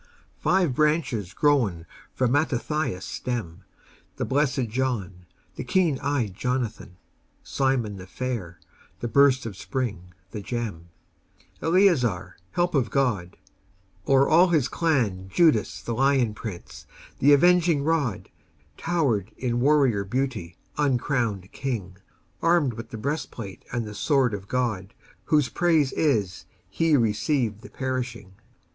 Five branches grown from Mattathias' stem, The Blessed John, the Keen Eyed Jonathan, Simon the fair, the Burst of Spring, the Gem, Eleazar, Help of God; o'er all his clan Judas the Lion Prince, the Avenging Rod, Towered in warrior beauty, uncrowned king, Armed with the breastplate and the sword of God, Whose praise is: "He received the perishing."